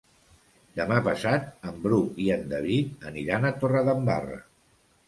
Demà passat en Bru i en David aniran a Torredembarra.